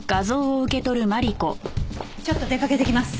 ちょっと出かけてきます。